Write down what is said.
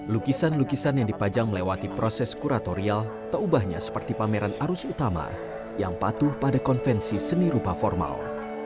lukisan lukisan yang dipajang melewati proses kuratorial tak ubahnya seperti pameran arus utama yang patuh pada konvensi seni rupa formal